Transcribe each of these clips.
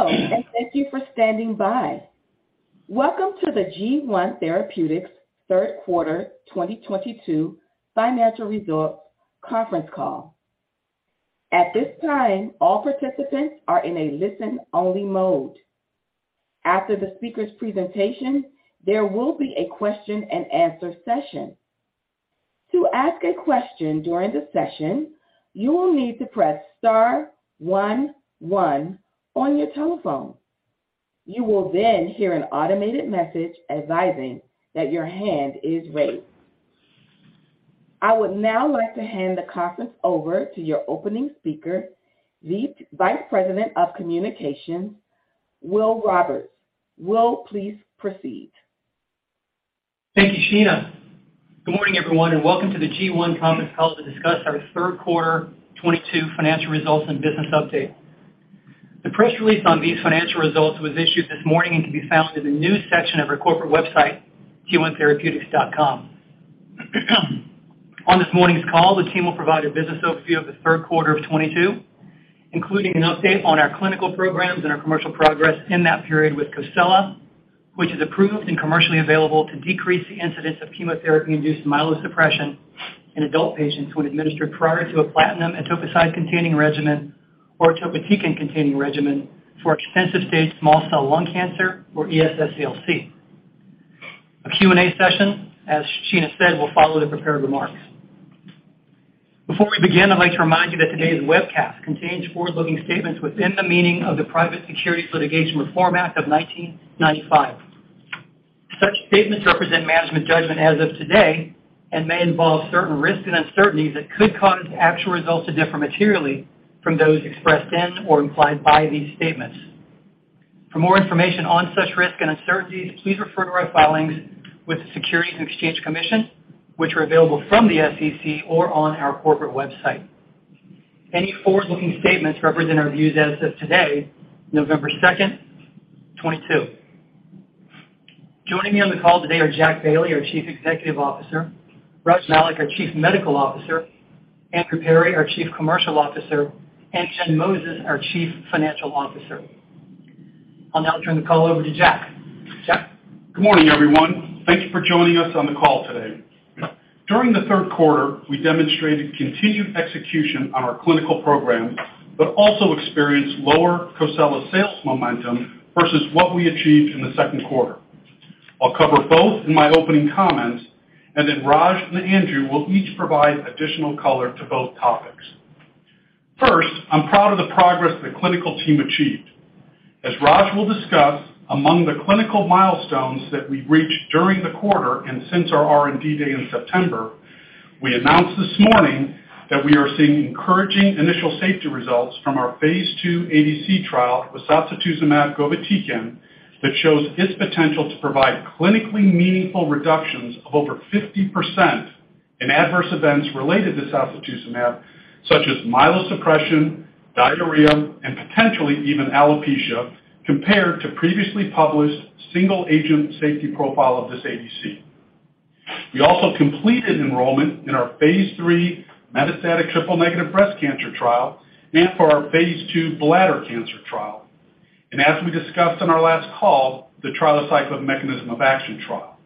Hello, and thank you for standing by. Welcome to the G1 Therapeutics Third Quarter 2022 Financial Results Conference Call. At this time, all participants are in a listen-only mode. After the speaker's presentation, there will be a question-and-answer session. To ask a question during the session, you will need to press star one one on your telephone. You will then hear an automated message advising that your hand is raised. I would now like to hand the conference over to your opening speaker, the Vice President of Communications, Will Roberts. Will, please proceed. Thank you, Sheena. Good morning, everyone, and welcome to the G1 conference call to discuss our third quarter 2022 financial results and business update. The press release on these financial results was issued this morning and can be found in the news section of our corporate website, g1therapeutics.com. On this morning's call, the team will provide a business overview of the third quarter of 2022, including an update on our clinical programs and our commercial progress in that period with COSELA, which is approved and commercially available to decrease the incidence of chemotherapy-induced myelosuppression in adult patients when administered prior to a platinum/etoposide-containing regimen or topotecan-containing regimen for extensive-stage small cell lung cancer, or ES-SCLC. A Q&A session, as Sheena said, will follow the prepared remarks. Before we begin, I'd like to remind you that today's webcast contains forward-looking statements within the meaning of the Private Securities Litigation Reform Act of 1995. Such statements represent management judgment as of today and may involve certain risks and uncertainties that could cause actual results to differ materially from those expressed in or implied by these statements. For more information on such risks and uncertainties, please refer to our filings with the Securities and Exchange Commission, which are available from the SEC or on our corporate website. Any forward-looking statements represent our views as of today, November 2nd, 2022. Joining me on the call today are Jack Bailey, our Chief Executive Officer, Raj Malik, our Chief Medical Officer, Andrew Perry, our Chief Commercial Officer, and Jen Moses, our Chief Financial Officer. I'll now turn the call over to Jack. Jack? Good morning, everyone. Thanks for joining us on the call today. During the third quarter, we demonstrated continued execution on our clinical program, but also experienced lower COSELA sales momentum versus what we achieved in the second quarter. I'll cover both in my opening comments, and then Raj and Andrew will each provide additional color to both topics. First, I'm proud of the progress the clinical team achieved. As Raj will discuss, among the clinical milestones that we've reached during the quarter and since our R&D Day in September, we announced this morning that we are seeing encouraging initial safety results from our phase II ADC trial with sacituzumab govitecan that shows its potential to provide clinically meaningful reductions of over 50% in adverse events related to sacituzumab, such as myelosuppression, diarrhea, and potentially even alopecia, compared to previously published single-agent safety profile of this ADC. We also completed enrollment in our phase III metastatic triple-negative breast cancer trial and for our phase II bladder cancer trial. As we discussed on our last call, the trilaciclib mechanism of action trial.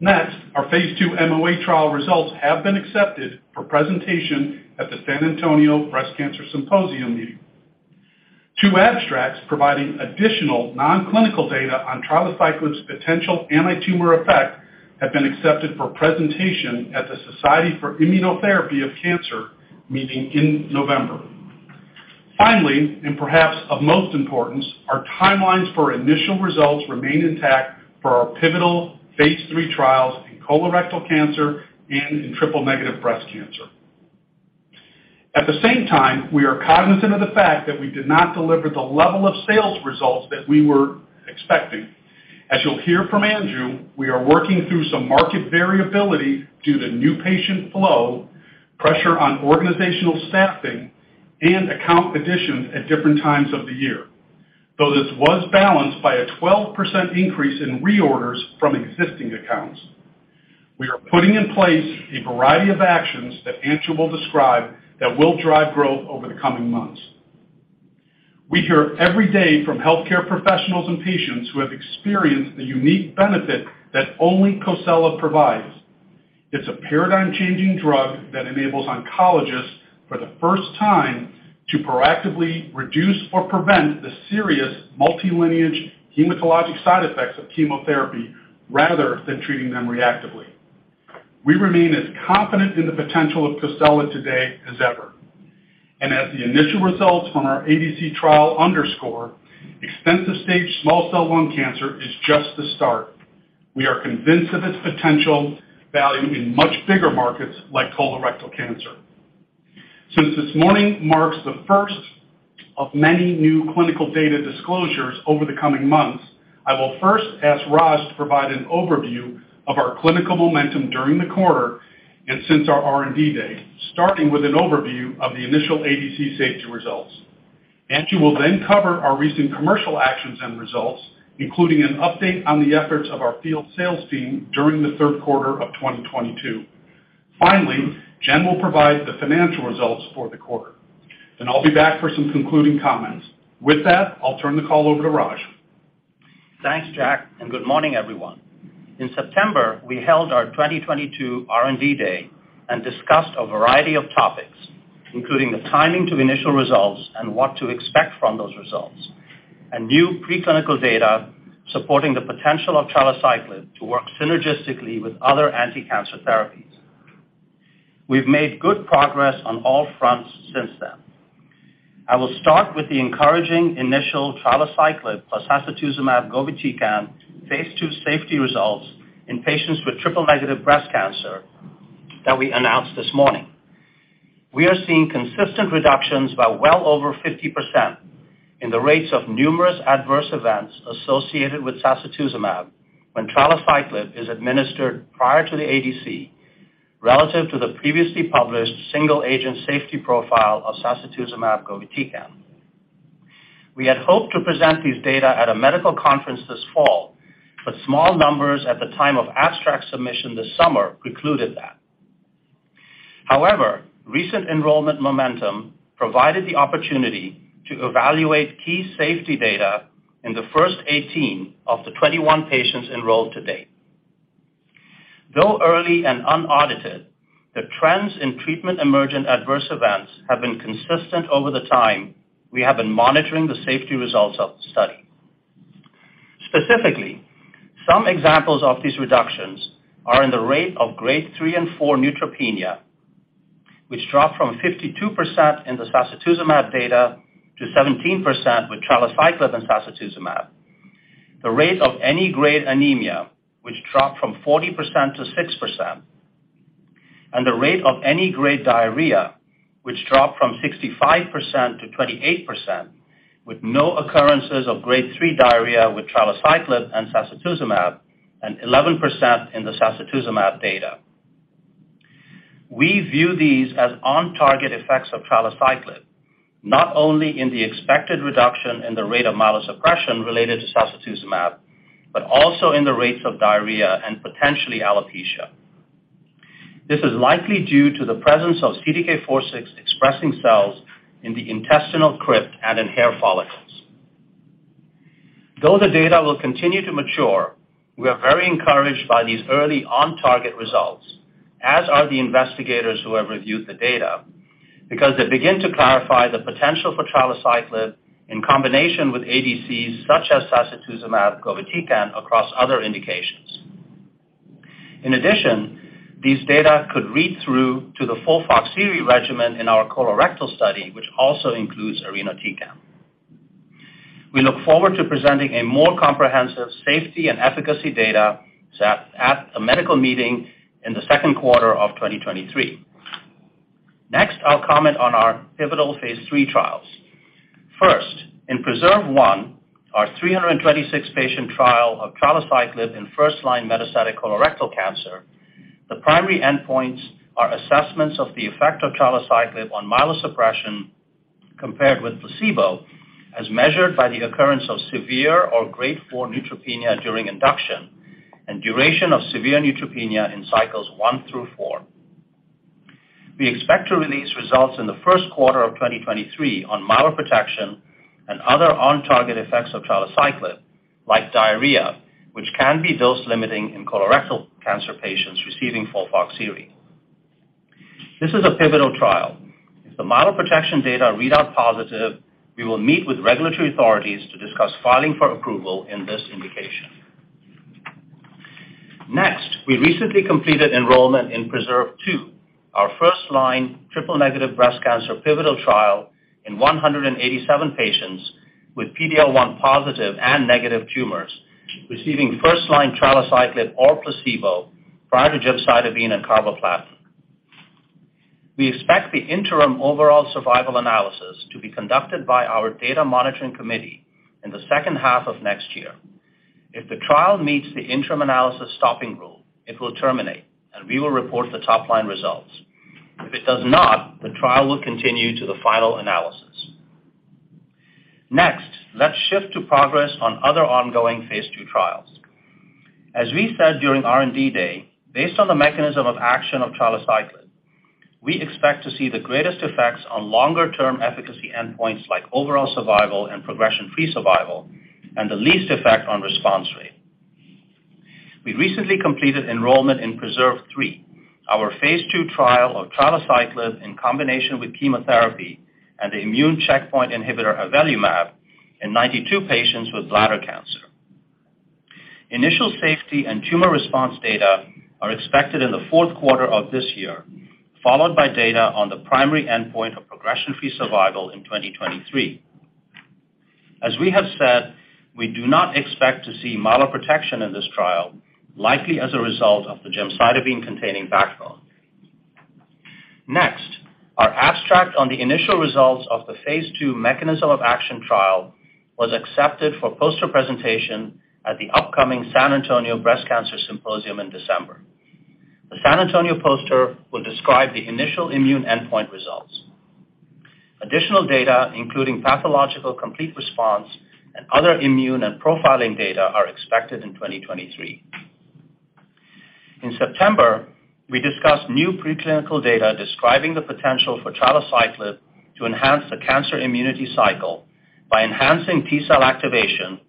Next, our phase II MOA trial results have been accepted for presentation at the San Antonio Breast Cancer Symposium meeting. Two abstracts providing additional non-clinical data on trilaciclib's potential anti-tumor effect have been accepted for presentation at the Society for Immunotherapy of Cancer meeting in November. Finally, and perhaps of most importance, our timelines for initial results remain intact for our pivotal phase III trials in colorectal cancer and in triple-negative breast cancer. At the same time, we are cognizant of the fact that we did not deliver the level of sales results that we were expecting. As you'll hear from Andrew, we are working through some market variability due to new patient flow, pressure on organizational staffing, and account additions at different times of the year. Though this was balanced by a 12% increase in reorders from existing accounts. We are putting in place a variety of actions that Andrew will describe that will drive growth over the coming months. We hear every day from healthcare professionals and patients who have experienced the unique benefit that only COSELA provides. It's a paradigm-changing drug that enables oncologists, for the first time, to proactively reduce or prevent the serious multi-lineage hematologic side effects of chemotherapy rather than treating them reactively. We remain as confident in the potential of COSELA today as ever. As the initial results from our ADC trial underscore, extensive-stage small cell lung cancer is just the start. We are convinced of its potential value in much bigger markets like colorectal cancer. Since this morning marks the first of many new clinical data disclosures over the coming months, I will first ask Raj to provide an overview of our clinical momentum during the quarter and since our R&D Day, starting with an overview of the initial ADC safety results. Andrew will then cover our recent commercial actions and results, including an update on the efforts of our field sales team during the third quarter of 2022. Finally, Jen will provide the financial results for the quarter, then I'll be back for some concluding comments. With that, I'll turn the call over to Raj. Thanks, Jack, and good morning, everyone. In September, we held our 2022 R&D Day and discussed a variety of topics, including the timing to the initial results and what to expect from those results, and new preclinical data supporting the potential of trilaciclib to work synergistically with other anticancer therapies. We've made good progress on all fronts since then. I will start with the encouraging initial trilaciclib plus sacituzumab govitecan phase II safety results in patients with triple-negative breast cancer that we announced this morning. We are seeing consistent reductions by well over 50% in the rates of numerous adverse events associated with sacituzumab when trilaciclib is administered prior to the ADC relative to the previously published single-agent safety profile of sacituzumab govitecan. We had hoped to present these data at a medical conference this fall, but small numbers at the time of abstract submission this summer precluded that. However, recent enrollment momentum provided the opportunity to evaluate key safety data in the first 18 of the 21 patients enrolled to date. Though early and unaudited, the trends in treatment-emergent adverse events have been consistent over the time we have been monitoring the safety results of the study. Specifically, some examples of these reductions are in the rate of Grade 3 and Grade 4 neutropenia, which dropped from 52% in the sacituzumab data to 17% with trilaciclib and sacituzumab. The rate of any grade anemia, which dropped from 40% to 6%, and the rate of any grade diarrhea, which dropped from 65% to 28% with no occurrences of Grade 3 diarrhea with trilaciclib and sacituzumab and 11% in the sacituzumab data. We view these as on-target effects of trilaciclib, not only in the expected reduction in the rate of myelosuppression related to sacituzumab, but also in the rates of diarrhea and potentially alopecia. This is likely due to the presence of CDK4/6-expressing cells in the intestinal crypt and in hair follicles. Though the data will continue to mature, we are very encouraged by these early on-target results, as are the investigators who have reviewed the data, because they begin to clarify the potential for trilaciclib in combination with ADCs, such as sacituzumab govitecan across other indications. In addition, these data could read through to the FOLFOXIRI regimen in our colorectal study, which also includes irinotecan. We look forward to presenting a more comprehensive safety and efficacy data set at a medical meeting in the second quarter of 2023. Next, I'll comment on our pivotal phase III trials. First, in PRESERVE 1, our 326-patient trial of trilaciclib in first-line metastatic colorectal cancer. The primary endpoints are assessments of the effect of trilaciclib on myelosuppression compared with placebo, as measured by the occurrence of severe or Grade 4 neutropenia during induction and duration of severe neutropenia in cycles one through four. We expect to release results in the first quarter of 2023 on myeloprotection and other on-target effects of trilaciclib like diarrhea, which can be dose-limiting in colorectal cancer patients receiving FOLFOXIRI. This is a pivotal trial. If the myeloprotection data read out positive, we will meet with regulatory authorities to discuss filing for approval in this indication. Next, we recently completed enrollment in PRESERVE 2, our first-line triple-negative breast cancer pivotal trial in 187 patients with PD-L1 positive and negative tumors receiving first-line trilaciclib or placebo prior to gemcitabine and carboplatin. We expect the interim overall survival analysis to be conducted by our data monitoring committee in the second half of next year. If the trial meets the interim analysis stopping rule, it will terminate, and we will report the top-line results. If it does not, the trial will continue to the final analysis. Next, let's shift to progress on other ongoing phase II trials. As we said during R&D Day, based on the mechanism of action of trilaciclib, we expect to see the greatest effects on longer-term efficacy endpoints like overall survival and progression-free survival, and the least effect on response rate. We recently completed enrollment in PRESERVE 3, our phase II trial of trilaciclib in combination with chemotherapy and the immune checkpoint inhibitor avelumab in 92 patients with bladder cancer. Initial safety and tumor response data are expected in the fourth quarter of this year, followed by data on the primary endpoint of progression-free survival in 2023. As we have said, we do not expect to see myeloprotection in this trial, likely as a result of the gemcitabine-containing backbone. Next, our abstract on the initial results of the phase II mechanism of action trial was accepted for poster presentation at the upcoming San Antonio Breast Cancer Symposium in December. The San Antonio poster will describe the initial immune endpoint results. Additional data, including pathological complete response and other immune and profiling data, are expected in 2023. In September, we discussed new preclinical data describing the potential for trilaciclib to enhance the cancer immunity cycle by enhancing T-cell activation,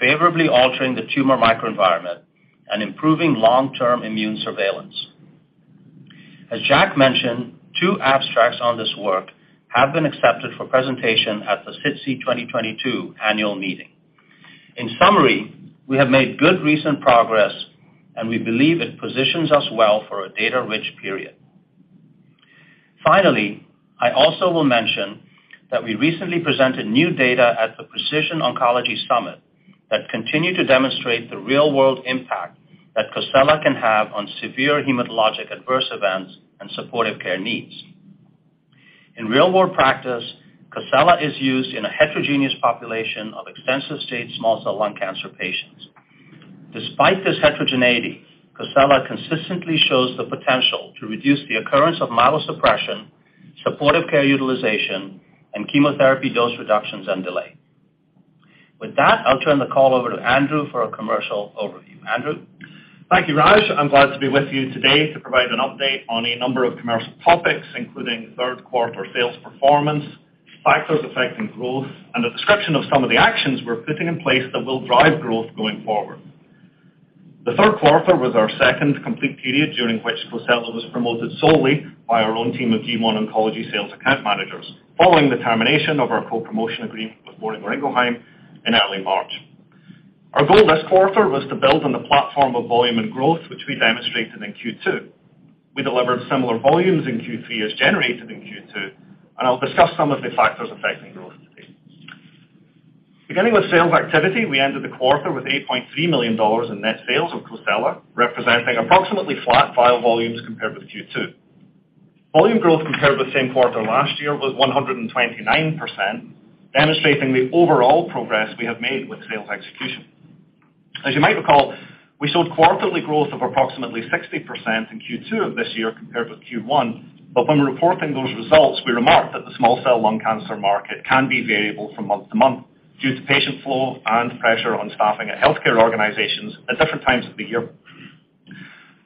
favorably altering the tumor microenvironment and improving long-term immune surveillance. As Jack mentioned, two abstracts on this work have been accepted for presentation at the SITC 2022 annual meeting. In summary, we have made good recent progress, and we believe it positions us well for a data-rich period. Finally, I also will mention that we recently presented new data at the Precision Oncology Summit that continue to demonstrate the real-world impact that COSELA can have on severe hematologic adverse events and supportive care needs. In real-world practice, COSELA is used in a heterogeneous population of extensive-stage small cell lung cancer patients. Despite this heterogeneity, COSELA consistently shows the potential to reduce the occurrence of marrow suppression, supportive care utilization, and chemotherapy dose reductions and delay. With that, I'll turn the call over to Andrew for a commercial overview. Andrew? Thank you, Raj. I'm glad to be with you today to provide an update on a number of commercial topics, including third quarter sales performance, factors affecting growth, and a description of some of the actions we're putting in place that will drive growth going forward. The third quarter was our second complete period during which COSELA was promoted solely by our own team of D1 oncology sales account managers following the termination of our co-promotion agreement with Boehringer Ingelheim in early March. Our goal this quarter was to build on the platform of volume and growth, which we demonstrated in Q2. We delivered similar volumes in Q3 as generated in Q2, and I'll discuss some of the factors affecting growth today. Beginning with sales activity, we ended the quarter with $8.3 million in net sales of COSELA, representing approximately flat vial volumes compared with Q2. Volume growth compared with the same quarter last year was 129%, demonstrating the overall progress we have made with sales execution. As you might recall, we showed quarterly growth of approximately 60% in Q2 of this year compared with Q1. When reporting those results, we remarked that the small cell lung cancer market can be variable from month-to-month due to patient flow and pressure on staffing at healthcare organizations at different times of the year.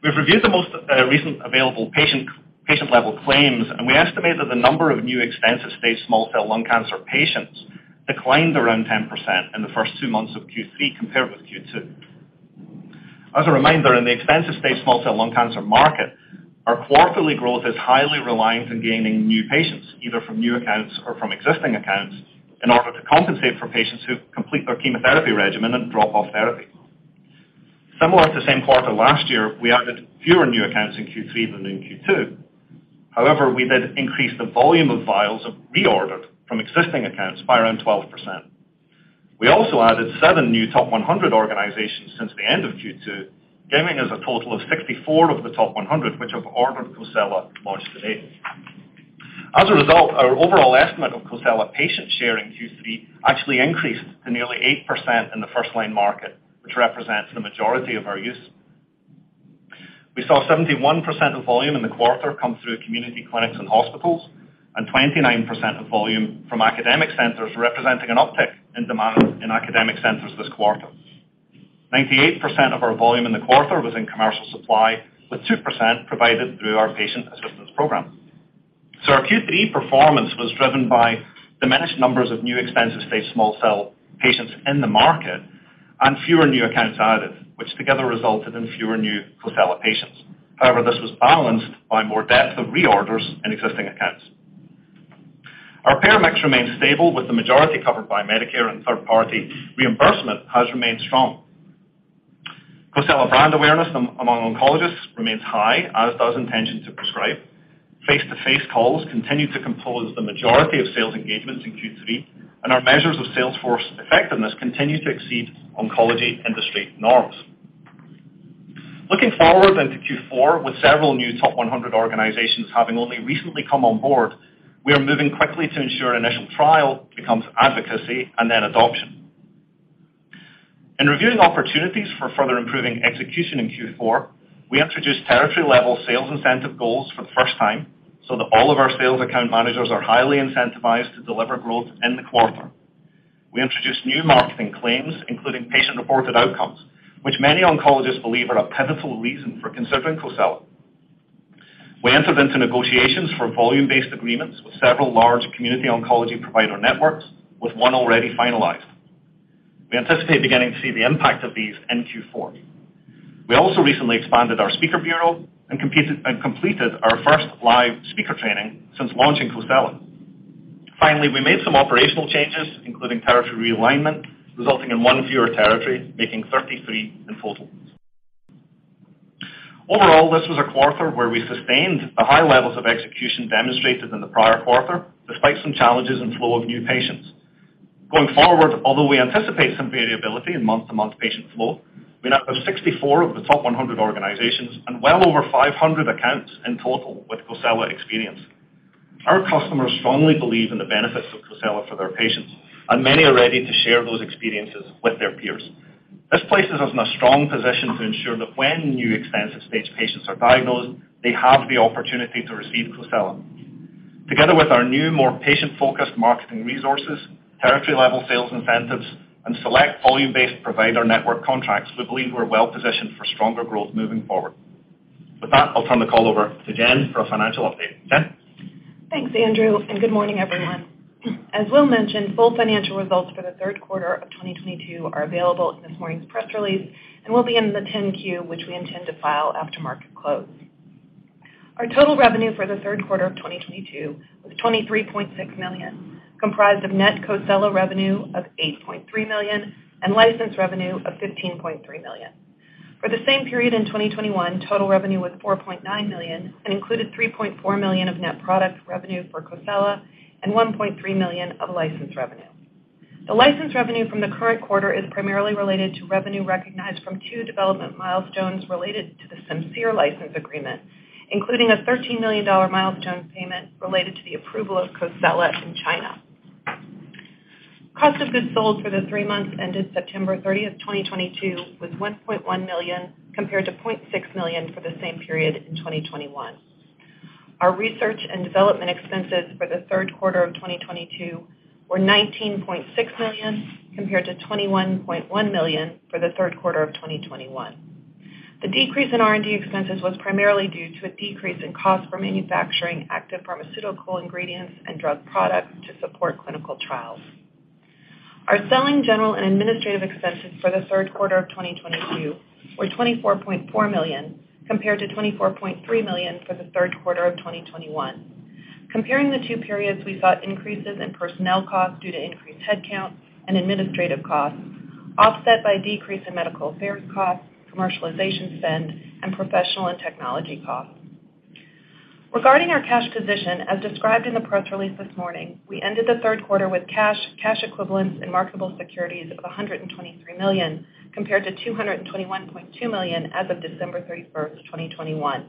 We've reviewed the most recent available patient-level claims, and we estimate that the number of new extensive-stage small cell lung cancer patients declined around 10% in the first two months of Q3 compared with Q2. As a reminder, in the extensive stage small cell lung cancer market, our quarterly growth is highly reliant on gaining new patients, either from new accounts or from existing accounts, in order to compensate for patients who complete their chemotherapy regimen and drop off therapy. Similar to the same quarter last year, we added fewer new accounts in Q3 than in Q2. However, we did increase the volume of vials reordered from existing accounts by around 12%. We also added seven new top 100 organizations since the end of Q2, giving us a total of 64 of the top 100 which have ordered COSELA to date. As a result, our overall estimate of COSELA patient share in Q3 actually increased to nearly 8% in the first line market, which represents the majority of our use. We saw 71% of volume in the quarter come through community clinics and hospitals, and 29% of volume from academic centers, representing an uptick in demand in academic centers this quarter. 98% of our volume in the quarter was in commercial supply, with 2% provided through our patient assistance program. Our Q3 performance was driven by diminished numbers of new extensive-stage small cell patients in the market and fewer new accounts added, which together resulted in fewer new COSELA patients. However, this was balanced by more depth of reorders in existing accounts. Our payer mix remains stable with the majority covered by Medicare, and third-party reimbursement has remained strong. COSELA brand awareness among oncologists remains high, as does intention to prescribe. Face-to-face calls continue to compose the majority of sales engagements in Q3, and our measures of sales force effectiveness continue to exceed oncology industry norms. Looking forward into Q4, with several new top 100 organizations having only recently come on board, we are moving quickly to ensure initial trial becomes advocacy and then adoption. In reviewing opportunities for further improving execution in Q4, we introduced territory-level sales incentive goals for the first time, so that all of our sales account managers are highly incentivized to deliver growth in the quarter. We introduced new marketing claims, including patient-reported outcomes, which many oncologists believe are a pivotal reason for considering COSELA. We entered into negotiations for volume-based agreements with several large community oncology provider networks, with one already finalized. We anticipate beginning to see the impact of these in Q4. We also recently expanded our speaker bureau and completed our first live speaker training since launching COSELA. Finally, we made some operational changes, including territory realignment, resulting in one fewer territory, making 33 in total. Overall, this was a quarter where we sustained the high levels of execution demonstrated in the prior quarter despite some challenges in flow of new patients. Going forward, although we anticipate some variability in month-to-month patient flow, we now have 64 of the top 100 organizations and well over 500 accounts in total with COSELA experience. Our customers strongly believe in the benefits of COSELA for their patients, and many are ready to share those experiences with their peers. This places us in a strong position to ensure that when new extensive-stage patients are diagnosed, they have the opportunity to receive COSELA. Together with our new, more patient-focused marketing resources, territory-level sales incentives, and select volume-based provider network contracts, we believe we're well-positioned for stronger growth moving forward. With that, I'll turn the call over to Jen for a financial update. Jen? Thanks, Andrew, and good morning, everyone. As Will mentioned, full financial results for the third quarter of 2022 are available in this morning's press release and will be in the 10-Q, which we intend to file after market close. Our total revenue for the third quarter of 2022 was $23.6 million, comprised of net COSELA revenue of $8.3 million and license revenue of $15.3 million. For the same period in 2021, total revenue was $4.9 million and included $3.4 million of net product revenue for COSELA and $1.3 million of license revenue. The license revenue from the current quarter is primarily related to revenue recognized from two development milestones related to the Simcere license agreement, including a $13 million milestone payment related to the approval of COSELA in China. Cost of goods sold for the three months ended September 30th, 2022 was $1.1 million, compared to $0.6 million for the same period in 2021. Our research and development expenses for the third quarter of 2022 were $19.6 million, compared to $21.1 million for the third quarter of 2021. The decrease in R&D expenses was primarily due to a decrease in cost for manufacturing active pharmaceutical ingredients and drug products to support clinical trials. Our selling, general, and administrative expenses for the third quarter of 2022 were $24.4 million, compared to $24.3 million for the third quarter of 2021. Comparing the two periods, we saw increases in personnel costs due to increased headcount and administrative costs, offset by decrease in medical affairs costs, commercialization spend, and professional and technology costs. Regarding our cash position, as described in the press release this morning, we ended the third quarter with cash, cash equivalents, and marketable securities of $123 million, compared to $221.2 million as of December 31st, 2021.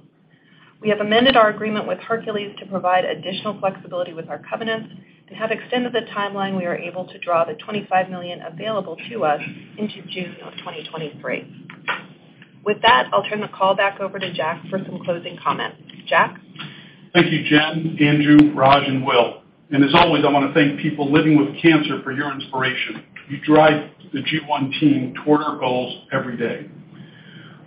We have amended our agreement with Hercules to provide additional flexibility with our covenants and have extended the timeline we are able to draw the $25 million available to us into June 2023. With that, I'll turn the call back over to Jack for some closing comments. Jack? Thank you, Jen, Andrew, Raj, and Will. As always, I wanna thank people living with cancer for your inspiration. You drive the G1 team toward our goals every day.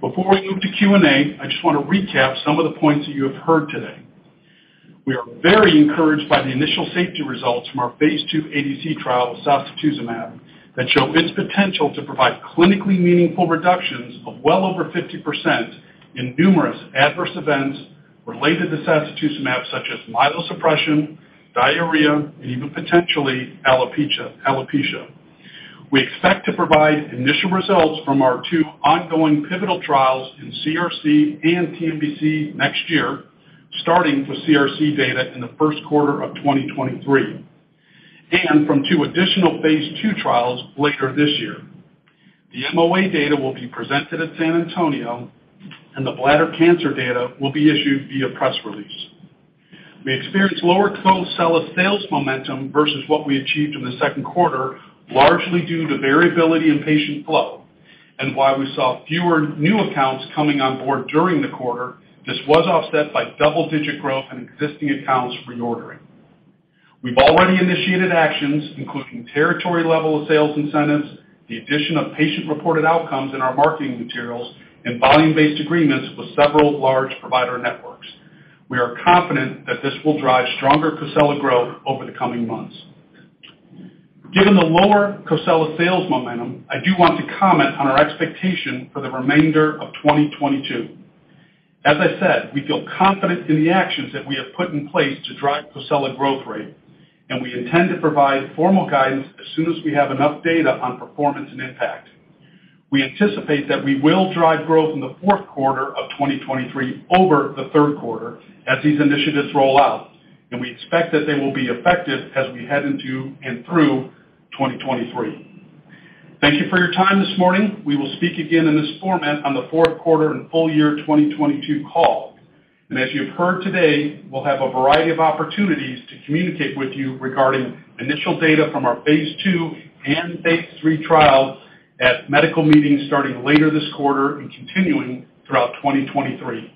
Before we move to Q&A, I just wanna recap some of the points that you have heard today. We are very encouraged by the initial safety results from our phase II ADC trial with sacituzumab that show its potential to provide clinically meaningful reductions of well over 50% in numerous adverse events related to sacituzumab, such as myelosuppression, diarrhea, and even potentially alopecia. We expect to provide initial results from our two ongoing pivotal trials in CRC and TNBC next year, starting with CRC data in the first quarter of 2023, and from two additional phase II trials later this year. The MOA data will be presented at San Antonio, and the bladder cancer data will be issued via press release. We experienced lower COSELA sales momentum versus what we achieved in the second quarter, largely due to variability in patient flow. While we saw fewer new accounts coming on board during the quarter, this was offset by double-digit growth in existing accounts reordering. We've already initiated actions, including territory level of sales incentives, the addition of patient-reported outcomes in our marketing materials, and volume-based agreements with several large provider networks. We are confident that this will drive stronger COSELA growth over the coming months. Given the lower COSELA sales momentum, I do want to comment on our expectation for the remainder of 2022. As I said, we feel confident in the actions that we have put in place to drive COSELA growth rate, and we intend to provide formal guidance as soon as we have enough data on performance and impact. We anticipate that we will drive growth in the fourth quarter of 2023 over the third quarter as these initiatives roll out, and we expect that they will be effective as we head into and through 2023. Thank you for your time this morning. We will speak again in this format on the fourth quarter and full year 2022 call. As you've heard today, we'll have a variety of opportunities to communicate with you regarding initial data from our phase II and phase III trials at medical meetings starting later this quarter and continuing throughout 2023.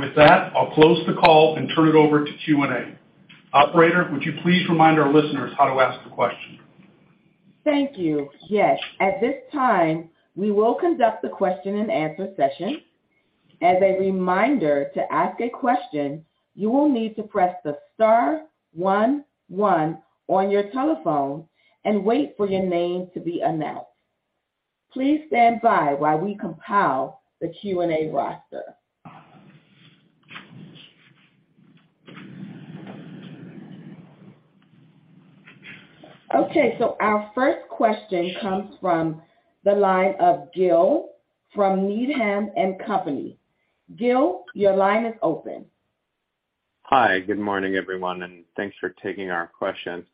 With that, I'll close the call and turn it over to Q&A. Operator, would you please remind our listeners how to ask a question? Thank you. Yes. At this time, we will conduct the question-and-answer session. As a reminder, to ask a question, you will need to press the star one one on your telephone and wait for your name to be announced. Please stand by while we compile the Q&A roster. Okay. Our first question comes from the line of Gil from Needham & Co. Gil, your line is open. Hi. Good morning, everyone, and thanks for taking our questions.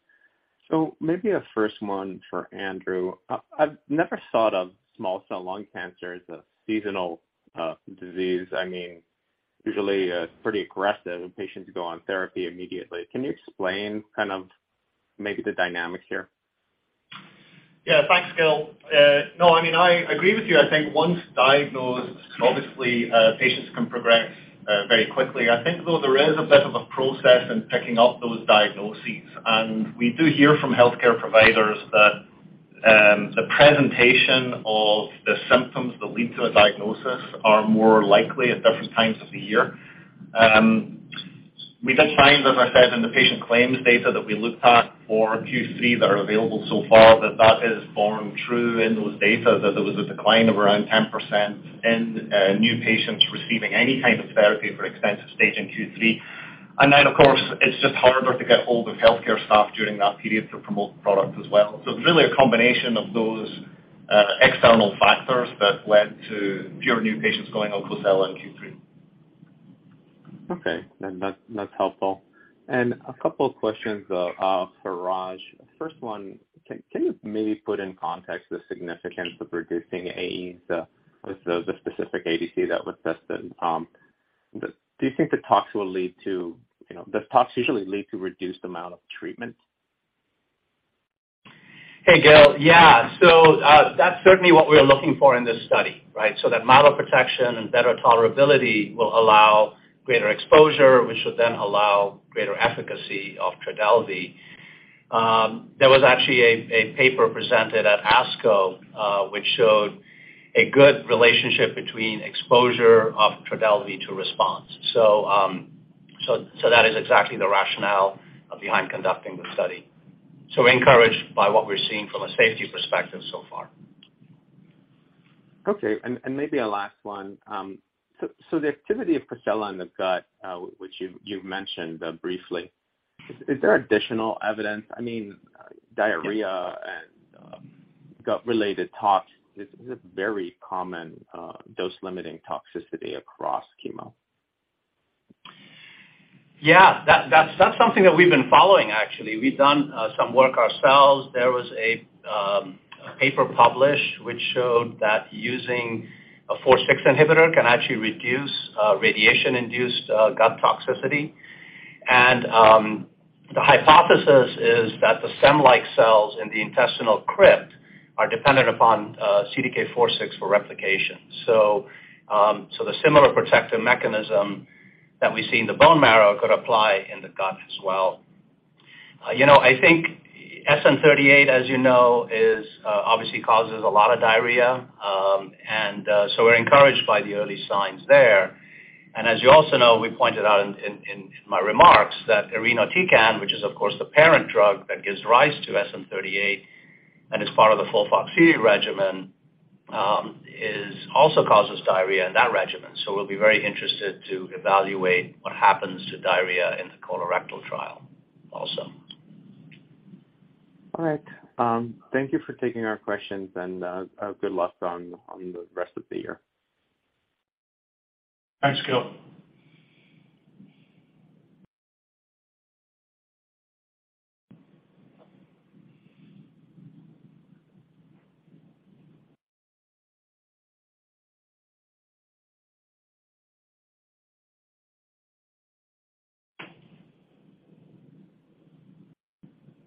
Maybe a first one for Andrew? I've never thought of small cell lung cancer as a seasonal disease. I mean, usually, it's pretty aggressive, and patients go on therapy immediately. Can you explain the dynamic here? Yeah, thanks, Gil. No, I mean, I agree with you. I think once diagnosed, obviously, patients can progress very quickly. I think though there is a bit of a process in picking up those diagnoses, and we do hear from healthcare providers that the presentation of the symptoms that lead to a diagnosis are more likely at different times of the year. We did find, as I said, in the patient claims data that we looked at for Q3 that are available so far that that has borne true in those data, that there was a decline of around 10% in new patients receiving any kind of therapy for extensive stage in Q3. Then, of course, it's just harder to get hold of healthcare staff during that period to promote the product as well. It's really a combination of those external factors that led to fewer new patients going on COSELA in Q3. That's helpful. A couple of questions for Raj. First one, can you maybe put in context the significance of reducing AEs with the specific ADC that was tested? Do you think the tox will lead to, you know. Does tox usually lead to reduced amount of treatment? Hey, Gil. Yeah. That's certainly what we're looking for in this study, right? That model protection and better tolerability will allow greater exposure, which should then allow greater efficacy of TRODELVY. There was actually a paper presented at ASCO, which showed a good relationship between exposure of TRODELVY to response. That is exactly the rationale behind conducting the study. We're encouraged by what we're seeing from a safety perspective so far. Okay. Maybe a last one. The activity of COSELA in the gut, which you mentioned briefly, is there additional evidence? I mean, diarrhea and gut-related tox is a very common dose-limiting toxicity across chemo. Yeah. That's something that we've been following actually. We've done some work ourselves. There was a paper published which showed that using a CDK4/6 inhibitor can actually reduce radiation-induced gut toxicity. The hypothesis is that the stem-like cells in the intestinal crypt are dependent upon CDK4/6 for replication. The similar protective mechanism that we see in the bone marrow could apply in the gut as well. You know, I think SN-38, as you know, obviously causes a lot of diarrhea. We're encouraged by the early signs there. As you also know, we pointed out in my remarks that irinotecan, which is of course the parent drug that gives rise to SN-38 and is part of the FOLFOXIRI regimen, also causes diarrhea in that regimen. We'll be very interested to evaluate what happens to diarrhea in the colorectal trial also. All right. Thank you for taking our questions, and good luck on the rest of the year. Thanks, Gil.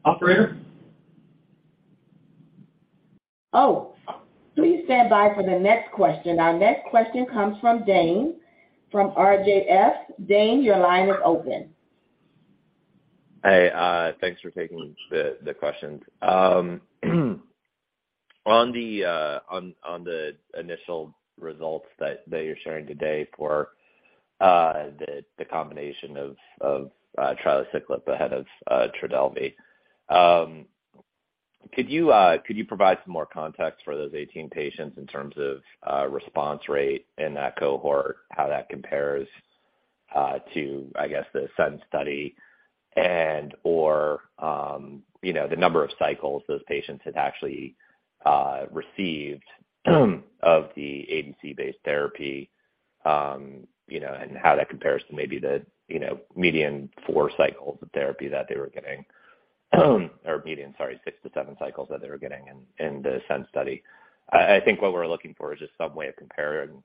Operator? Oh, please stand by for the next question. Our next question comes from Dane from RJF. Dane, your line is open. Hey. Thanks for taking the questions. On the initial results that you're sharing today for the combination of trilaciclib ahead of TRODELVY, could you provide some more context for those 18 patients in terms of response rate in that cohort, how that compares to, I guess, the ASCENT study and/or, you know, the number of cycles those patients had actually received of the ADC-based therapy, you know, and how that compares to maybe the median four cycles of therapy that they were getting, or median, sorry, six-seven cycles that they were getting in the ASCENT study? I think what we're looking for is just some way of comparing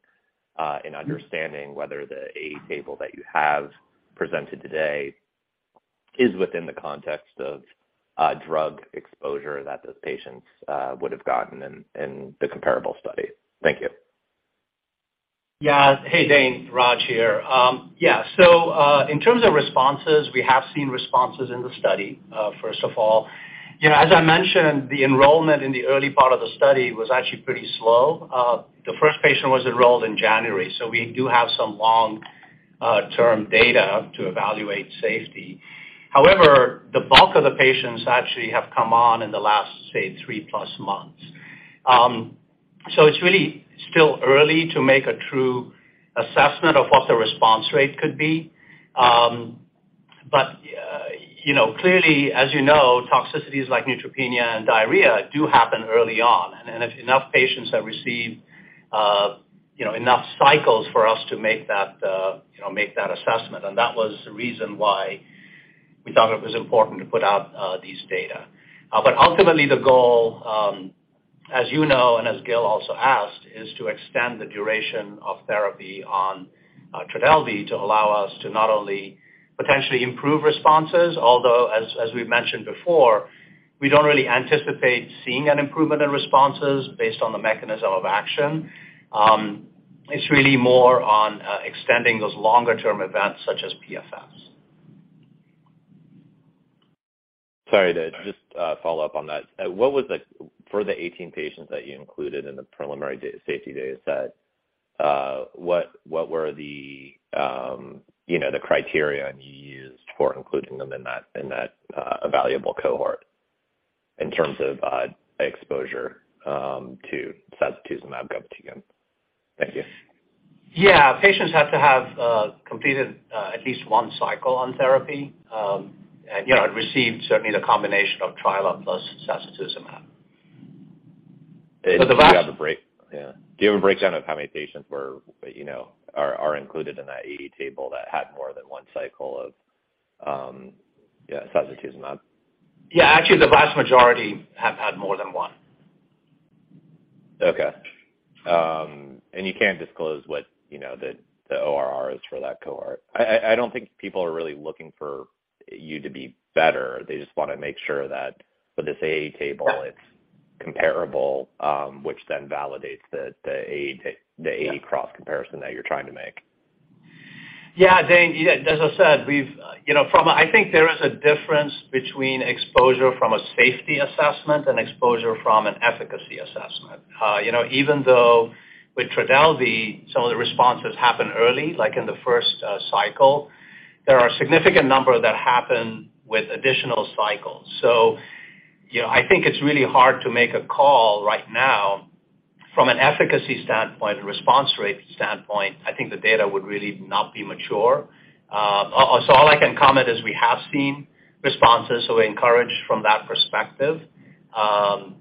and understanding whether the A table that you have presented today is within the context of a drug exposure that those patients would have gotten in the comparable study. Thank you. Yeah. Hey, Dane, Raj here. In terms of responses, we have seen responses in the study, first of all. You know, as I mentioned, the enrollment in the early part of the study was actually pretty slow. The first patient was enrolled in January, so we do have some long-term data to evaluate safety. However, the bulk of the patients actually have come on in the last, say, three+ months. It's really still early to make a true assessment of what the response rate could be. You know, clearly, as you know, toxicities like neutropenia and diarrhea do happen early on, and if enough patients have received, you know, enough cycles for us to make that, you know, make that assessment, and that was the reason why we thought it was important to put out these data. Ultimately, the goal, as you know, and as Gil also asked, is to extend the duration of therapy on TRODELVY to allow us to not only potentially improve responses, although as we've mentioned before, we don't really anticipate seeing an improvement in responses based on the mechanism of action. It's really more on extending those longer-term events such as PFS. Sorry to just follow-up on that. For the 18 patients that you included in the preliminary safety dataset, what were the, you know, the criteria you used for including them in that evaluable cohort in terms of exposure to sacituzumab govitecan? Thank you. Yeah. Patients have to have completed at least one cycle on therapy, and you know had received certainly the combination of trilaciclib plus sacituzumab. The vast- Do you have a breakdown of how many patients were, you know, are included in that AE table that had more than one cycle of yeah, sacituzumab? Yeah. Actually, the vast majority have had more than one. Okay. You can't disclose what, you know, the ORR is for that cohort? I don't think people are really looking for you to be better. They just wanna make sure that with this AE table. Yeah It's comparable, which then validates the AE data. Yeah The AE cross comparison that you're trying to make. Yeah. Dane, yeah, as I said, you know, I think there is a difference between exposure from a safety assessment and exposure from an efficacy assessment. You know, even though with TRODELVY, some of the responses happen early, like in the first cycle, there are a significant number that happen with additional cycles. You know, I think it's really hard to make a call right now. From an efficacy standpoint and response rate standpoint, I think the data would really not be mature. All I can comment is we have seen responses, so we're encouraged from that perspective. Of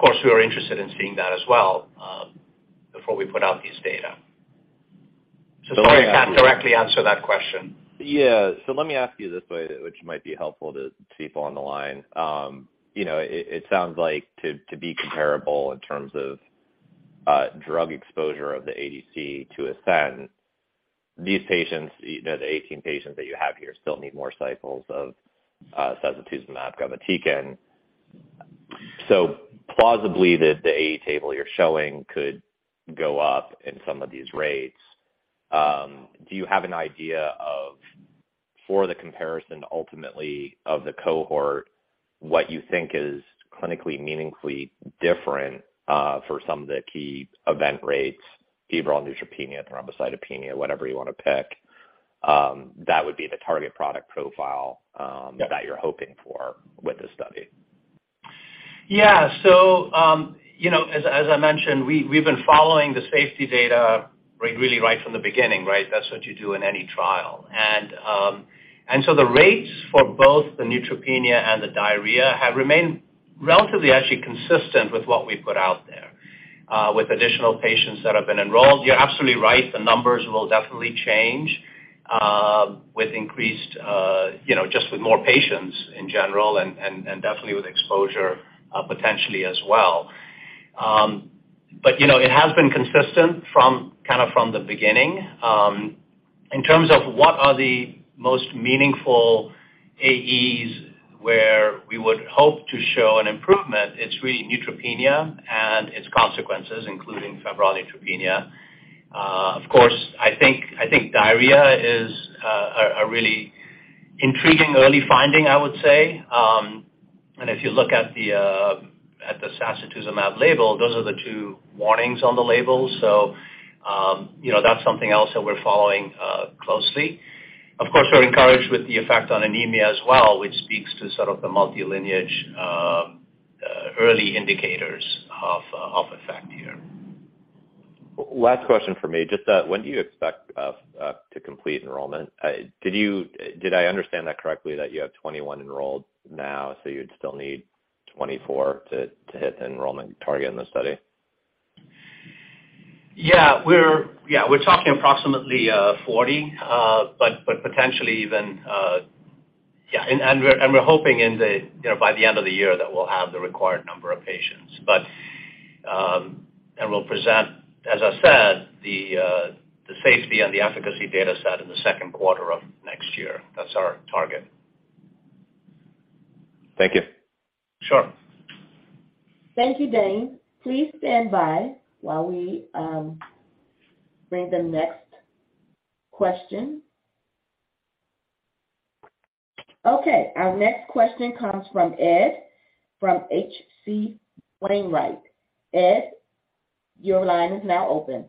course, we are interested in seeing that as well, before we put out these data. Sorry, I can't directly answer that question. Yeah. Let me ask you this way, which might be helpful to people on the line. You know, it sounds like to be comparable in terms of drug exposure of the ADC to ASCENT, these patients, you know, the 18 patients that you have here still need more cycles of sacituzumab govitecan. Plausibly, the AE table you're showing could go up in some of these rates. Do you have an idea of, for the comparison, ultimately, of the cohort, what you think is clinically meaningfully different for some of the key event rates, febrile neutropenia, thrombocytopenia, whatever you wanna pick, that would be the target product profile? Yeah That you're hoping for with this study? Yeah. You know, as I mentioned, we've been following the safety data really right from the beginning, right? That's what you do in any trial. The rates for both the neutropenia and the diarrhea have remained relatively actually consistent with what we put out there, with additional patients that have been enrolled. You're absolutely right, the numbers will definitely change, with increased, you know, just with more patients in general and definitely with exposure, potentially as well. You know, it has been consistent kinda from the beginning. In terms of what are the most meaningful AEs where we would hope to show an improvement, it's really neutropenia and its consequences, including febrile neutropenia. Of course, I think diarrhea is a really intriguing early finding, I would say. If you look at the sacituzumab label, those are the two warnings on the label. You know, that's something else that we're following closely. Of course, we're encouraged with the effect on anemia as well, which speaks to sort of the multi-lineage early indicators of effect here. Last question from me. Just, when do you expect to complete enrollment? Did I understand that correctly that you have 21 enrolled now, so you'd still need 24 to hit the enrollment target in the study? We're talking approximately 40, but potentially even. We're hoping, you know, by the end of the year that we'll have the required number of patients. We'll present, as I said, the safety and the efficacy data set in the second quarter of next year. That's our target. Thank you. Sure. Thank you, Dane. Please stand by while we bring the next question. Okay. Our next question comes from Ed from H.C. Wainwright. Ed, your line is now open.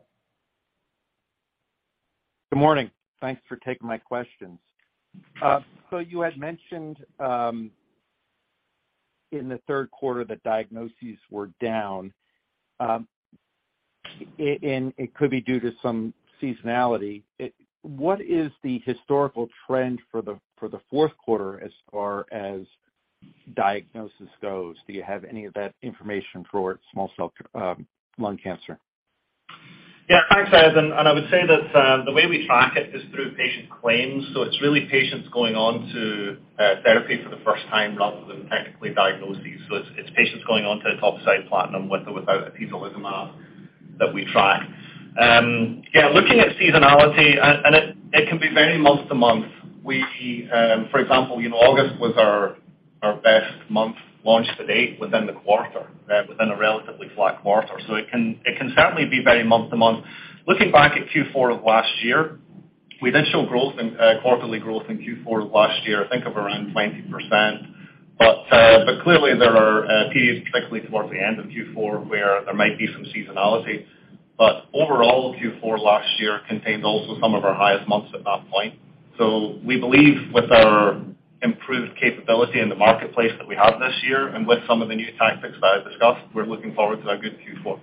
Good morning. Thanks for taking my questions. You had mentioned in the third quarter that diagnoses were down, and it could be due to some seasonality. What is the historical trend for the fourth quarter as far as diagnosis goes? Do you have any of that information for small cell lung cancer? Yeah. Thanks, Ed. I would say that the way we track it is through patient claims. It's really patients going on to therapy for the first time rather than technically diagnoses. It's patients going on to etoposide/platinum with or without atezolizumab that we track. Yeah, looking at seasonality and it can be very month-to-month. We, for example, you know, August was our best month launch to date within the quarter, within a relatively flat quarter. It can certainly be very month-to-month. Looking back at Q4 of last year, we did show growth in quarterly growth in Q4 of last year, I think of around 20%. Clearly there are periods particularly towards the end of Q4 where there might be some seasonality. Overall, Q4 last year contained also some of our highest months at that point. We believe with our improved capability in the marketplace that we have this year and with some of the new tactics that I discussed, we're looking forward to a good Q4.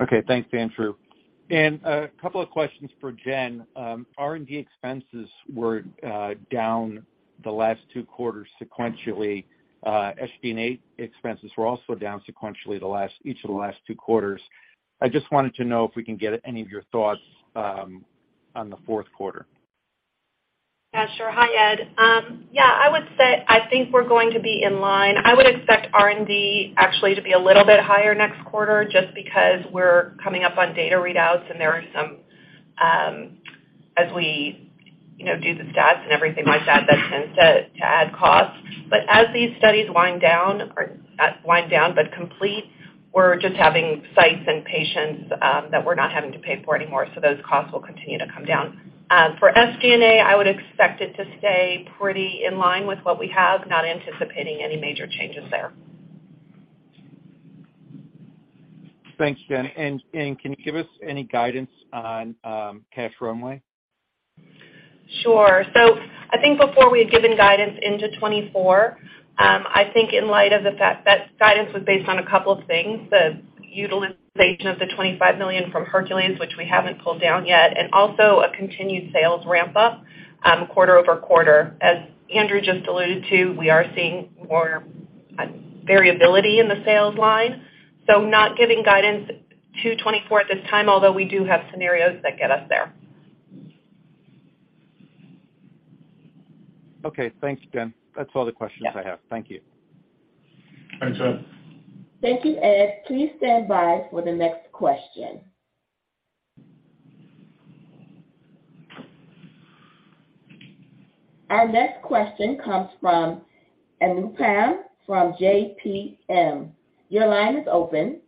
Okay. Thanks, Andrew. A couple of questions for Jen. R&D expenses were down the last two quarters sequentially. SG&A expenses were also down sequentially each of the last two quarters. I just wanted to know if we can get any of your thoughts on the fourth quarter? Yeah, sure. Hi, Ed. Yeah, I would say I think we're going to be in line. I would expect R&D actually to be a little bit higher next quarter just because we're coming up on data readouts and there are some, as we, you know, do the stats and everything like that tends to add costs. As these studies wind down or not wind down but complete, we're just having sites and patients that we're not having to pay for anymore, so those costs will continue to come down. For SG&A, I would expect it to stay pretty in line with what we have, not anticipating any major changes there. Thanks, Jen. Can you give us any guidance on cash runway? Sure. I think before we had given guidance into 2024, I think in light of the fact that guidance was based on a couple of things, the utilization of the $25 million from Hercules, which we haven't pulled down yet, and also a continued sales ramp up, quarter-over-quarter. As Andrew just alluded to, we are seeing more variability in the sales line, so not giving guidance to 2024 at this time, although we do have scenarios that get us there. Okay. Thanks, Jen. That's all the questions I have. Yeah. Thank you. Thanks, Ed. Thank you, Ed. Please stand by for the next question. Our next question comes from Anupam from JPM. Your line is open.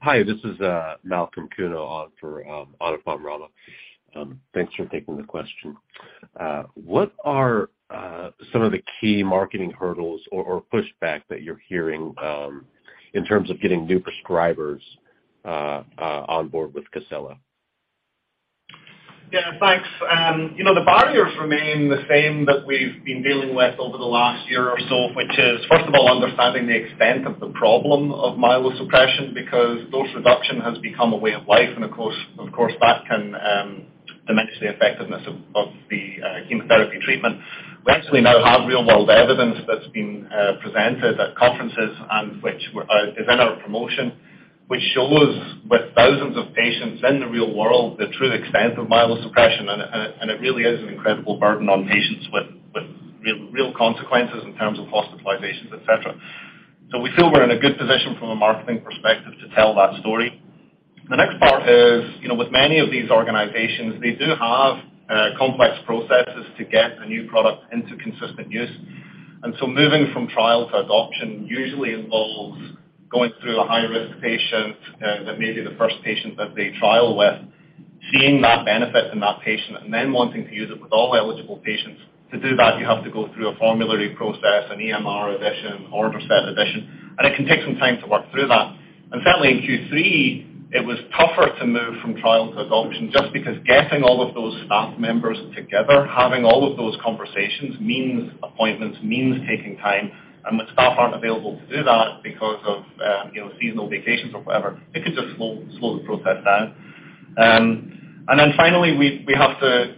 Hi, this is Malcolm Kuno on for Anupam Rama. Thanks for taking the question. What are some of the key marketing hurdles or pushback that you're hearing in terms of getting new prescribers on board with COSELA? Yeah, thanks. You know, the barriers remain the same that we've been dealing with over the last year or so, which is, first of all, understanding the extent of the problem of myelosuppression because dose reduction has become a way of life. Of course, that can diminish the effectiveness of the chemotherapy treatment. We actually now have real-world evidence that's been presented at conferences and which we're using in our promotion, which shows with thousands of patients in the real world the true extent of myelosuppression. It really is an incredible burden on patients with real consequences in terms of hospitalizations, et cetera. We feel we're in a good position from a marketing perspective to tell that story. The next part is, you know, with many of these organizations, they do have complex processes to get a new product into consistent use. Moving from trial to adoption usually involves going through a high-risk patient that may be the first patient that they trial with, seeing that benefit in that patient, and then wanting to use it with all eligible patients. To do that, you have to go through a formulary process, an EMR addition, order set addition, and it can take some time to work through that. Certainly in Q3, it was tougher to move from trial to adoption just because getting all of those staff members together, having all of those conversations means appointments, means taking time. The staff aren't available to do that because of, you know, seasonal vacations or whatever. It could just slow the process down. Finally, we have to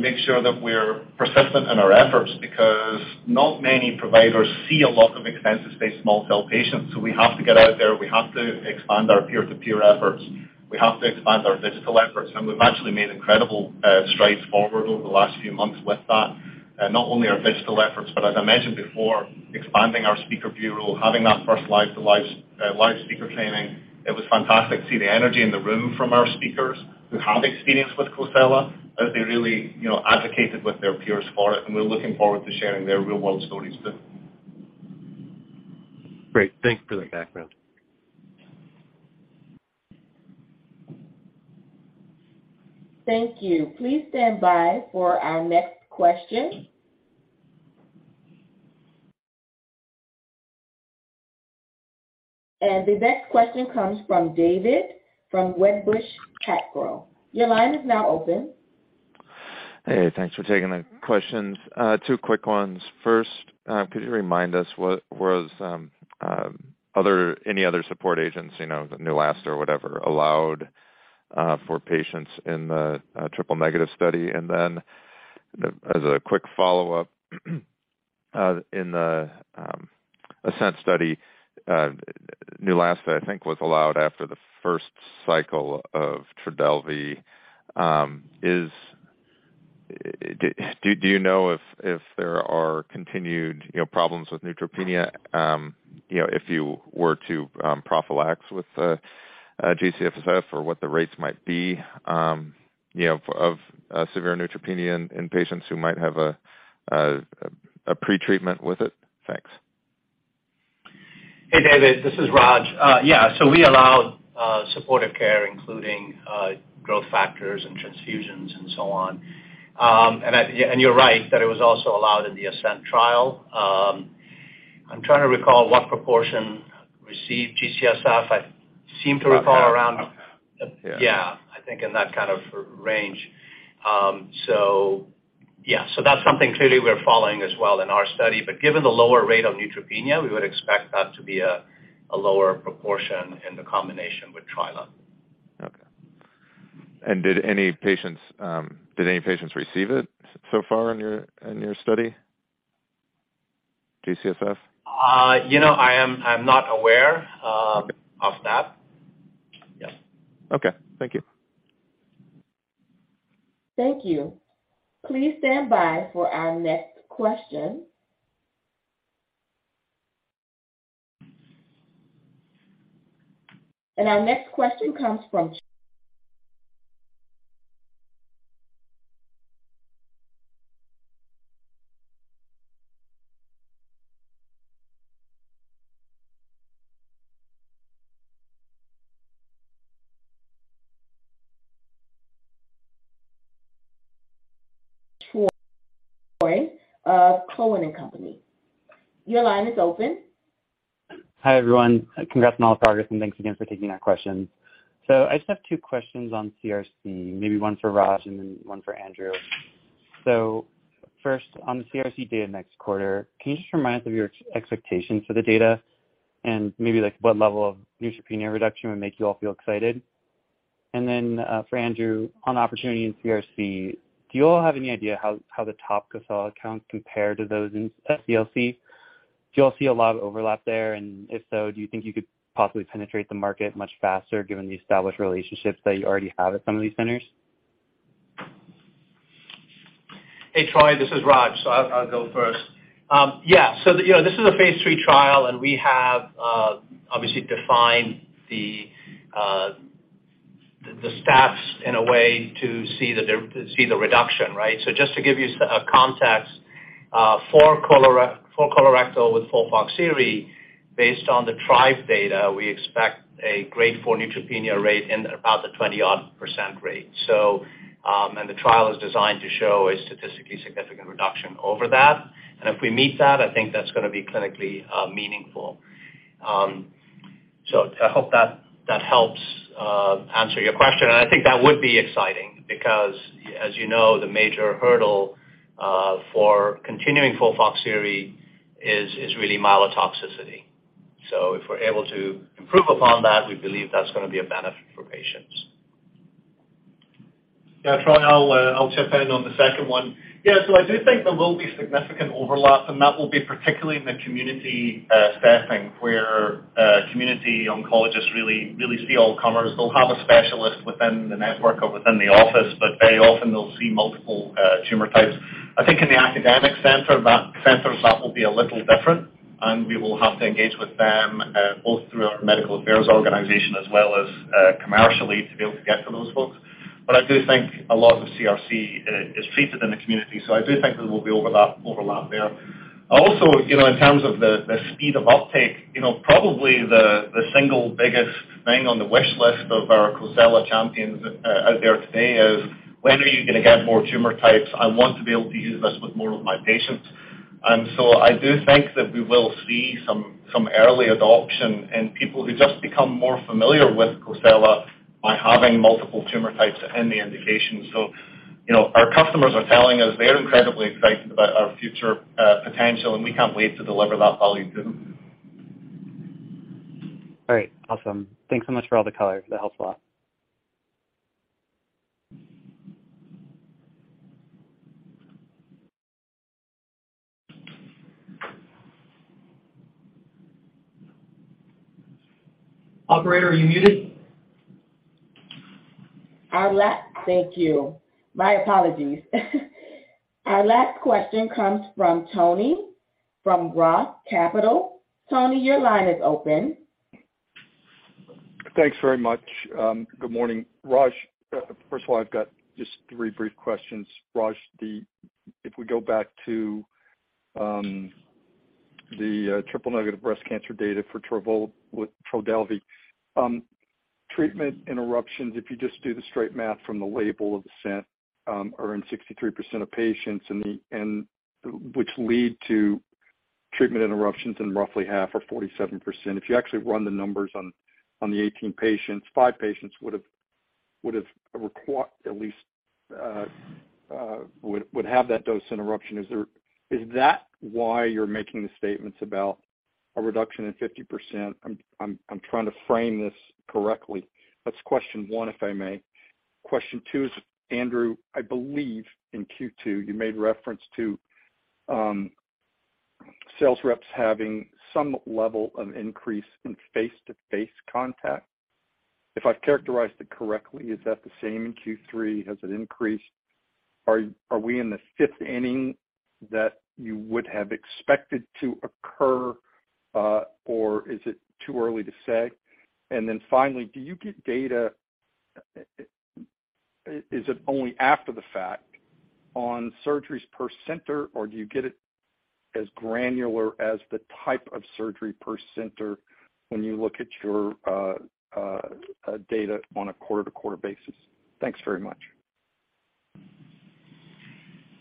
make sure that we're persistent in our efforts because not many providers see a lot of extensive-stage small cell patients. We have to get out there. We have to expand our peer-to-peer efforts. We have to expand our digital efforts. We've actually made incredible strides forward over the last few months with that, not only our digital efforts, but as I mentioned before, expanding our speaker bureau, having that first live-to-live speaker training. It was fantastic to see the energy in the room from our speakers who have experience with COSELA as they really, you know, advocated with their peers for it. We're looking forward to sharing their real-world stories too. Great. Thanks for the background. Thank you. Please stand by for our next question. The next question comes from David from Wedbush PacGrow. Your line is now open. Hey, thanks for taking the questions. Two quick ones. First, could you remind us any other support agents, you know, Neulasta or whatever, allowed for patients in the triple negative study? Then As a quick follow-up, in the ASCENT study, Neulasta, I think, was allowed after the first cycle of TRODELVY. Do you know if there are continued, you know, problems with neutropenia, you know, if you were to prophylaxis with G-CSF or what the rates might be, you know, of severe neutropenia in patients who might have a pre-treatment with it? Thanks. Hey, David. This is Raj. We allow supportive care, including growth factors and transfusions and so on. You're right, that it was also allowed in the ASCENT trial. I'm trying to recall what proportion received G-CSF. I seem to recall around About half. Yeah. Yeah, I think in that kind of range. That's something clearly we're following as well in our study. Given the lower rate of neutropenia, we would expect that to be a lower proportion in the combination with trilaciclib. Okay. Did any patients receive it so far in your study? G-CSF? You know, I'm not aware of that. Yeah. Okay. Thank you. Thank you. Please stand by for our next question. Our next question comes from Troy of Cowen and Co. Your line is open. Hi, everyone. Congrats on all the progress, and thanks again for taking our questions. I just have two questions on CRC, maybe one for Raj and then one for Andrew. First, on the CRC data next quarter, can you just remind us of your expectations for the data and maybe, like, what level of neutropenia reduction would make you all feel excited? And then, for Andrew, on opportunity in CRC, do you all have any idea how the top COSELA accounts compare to those in ES-SCLC? Do you all see a lot of overlap there? And if so, do you think you could possibly penetrate the market much faster given the established relationships that you already have at some of these centers? Hey, Troy, this is Raj. I'll go first. Yeah. You know, this is a phase III trial, and we have obviously defined the stats in a way to see the reduction, right? Just to give you a context, for colorectal with FOLFOXIRI, based on the TRIBE data, we expect a grade four neutropenia rate in about the 20-odd% rate. The trial is designed to show a statistically significant reduction over that. If we meet that, I think that's gonna be clinically meaningful. I hope that helps answer your question. I think that would be exciting because as you know, the major hurdle for continuing FOLFOXIRI is really mild toxicity. If we're able to improve upon that, we believe that's gonna be a benefit for patients. Yeah. Troy, I'll chip in on the second one. Yeah. I do think there will be significant overlap, and that will be particularly in the community staffing, where community oncologists really see all comers. They'll have a specialist within the network or within the office, but very often they'll see multiple tumor types. I think in the academic centers that will be a little different, and we will have to engage with them both through our medical affairs organization as well as commercially to be able to get to those folks. I do think a lot of CRC is treated in the community, so I do think there will be overlap there. Also, you know, in terms of the speed of uptake, you know, probably the single biggest thing on the wish list of our COSELA champions out there today is when are you gonna get more tumor types? I want to be able to use this with more of my patients. I do think that we will see some early adoption and people who just become more familiar with COSELA by having multiple tumor types in the indication. You know, our customers are telling us they're incredibly excited about our future potential, and we can't wait to deliver that value to them. All right. Awesome. Thanks so much for all the color. That helps a lot. Operator, are you muted? Thank you. My apologies. Our last question comes from Tony from Roth Capital. Tony, your line is open. Thanks very much. Good morning. Raj, first of all, I've got just three brief questions. Raj, if we go back to the triple-negative breast cancer data for TRODELVY, treatment interruptions, if you just do the straight math from the label of ASCENT, are in 63% of patients and which lead to treatment interruptions in roughly half or 47%. If you actually run the numbers on the 18 patients, five patients would've at least would have that dose interruption. Is that why you're making the statements about a reduction in 50%? I'm trying to frame this correctly. That's question one, if I may. Question two is, Andrew, I believe in Q2 you made reference to sales reps having some level of increase in face-to-face contact. If I've characterized it correctly, is that the same in Q3? Has it increased? Are we in the fifth inning that you would have expected to occur, or is it too early to say? Finally, do you get data? Is it only after the fact on surgeries per center, or do you get it as granular as the type of surgery per center when you look at your data on a quarter-to-quarter basis? Thanks very much.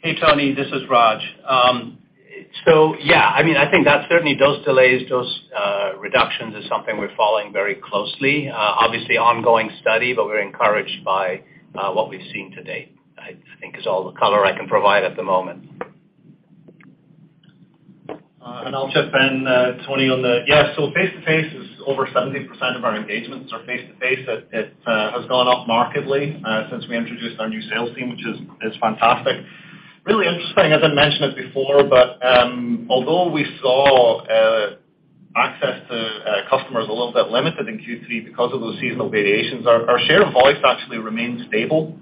Hey, Tony, this is Raj. Yeah, I mean, I think that certainly those delays, those reductions is something we're following very closely. Obviously ongoing study, but we're encouraged by what we've seen to date. I think is all the color I can provide at the moment. I'll chip in, Tony. Yeah, face-to-face is over 70% of our engagements are face to face. It has gone up markedly since we introduced our new sales team, which is fantastic. Really interesting, I didn't mention it before, but although we saw access to customers a little bit limited in Q3 because of those seasonal variations, our share of voice actually remained stable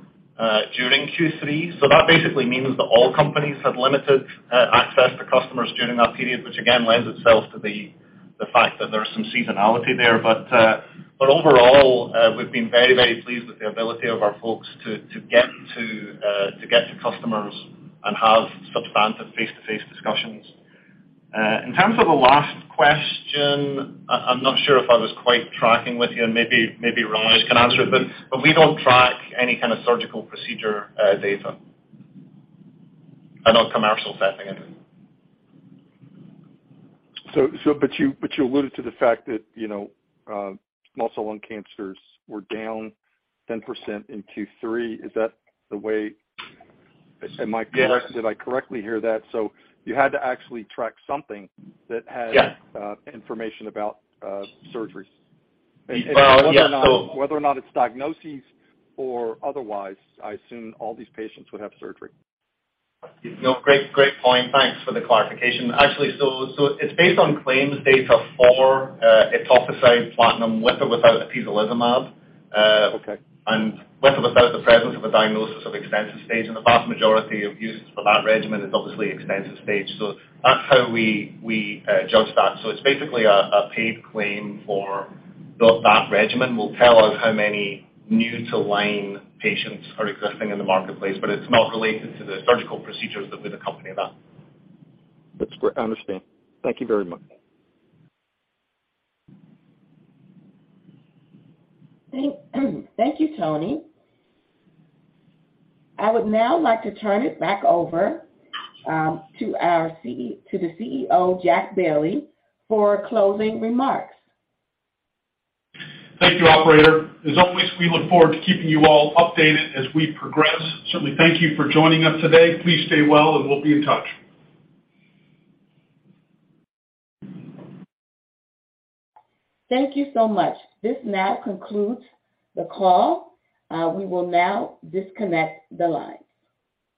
during Q3. That basically means that all companies had limited access to customers during that period, which again lends itself to the fact that there's some seasonality there. Overall, we've been very, very pleased with the ability of our folks to get to customers and have substantive face-to-face discussions. In terms of the last question, I'm not sure if I was quite tracking with you, and maybe Raj can answer it, but we don't track any kind of surgical procedure data. Not commercial setting anyway. You alluded to the fact that, you know, small cell lung cancers were down 10% in Q3. Is that the way? Yes. Am I correct? Did I correctly hear that? So, you had to actually track something that has- Yes. information about surgeries? Well, yeah. Whether or not it's diagnoses or otherwise, I assume all these patients would have surgery. No, great point. Thanks for the clarification. Actually, so it's based on claims data for etoposide/platinum with or without atezolizumab. Okay. With or without the presence of a diagnosis of extensive stage. The vast majority of uses for that regimen is obviously extensive stage. That's how we judge that. It's basically a paid claim for that regimen. That regimen will tell us how many new to line patients are existing in the marketplace, but it's not related to the surgical procedures that would accompany that. That's great. I understand. Thank you very much. Thank you, Tony. I would now like to turn it back over to our CEO, Jack Bailey, for closing remarks. Thank you, operator. As always, we look forward to keeping you all updated as we progress. Certainly thank you for joining us today. Please stay well, and we'll be in touch. Thank you so much. This now concludes the call. We will now disconnect the lines.